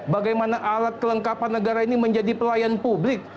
bagaimana alat kelengkapan negara ini menjadi pelayan publik